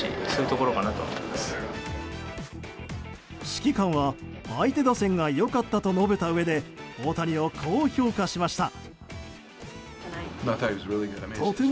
指揮官は相手打線が良かったと述べたうえで大谷を、こう評価しました。